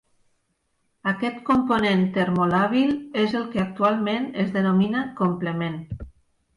Aquest component termolàbil és el que actualment es denomina complement.